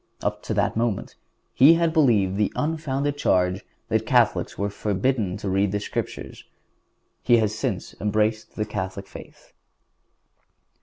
Up to that moment he had believed the unfounded charge that Catholics were forbidden to read the Scriptures. He has since embraced the Catholic faith.